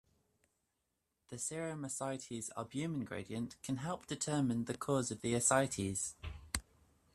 The serum-ascites albumin gradient can help determine the cause of the ascites.